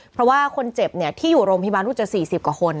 เพราะว่าคนเจ็บเนี่ยที่อยู่โรงพยาบาลรู้จัก๔๐กว่าคน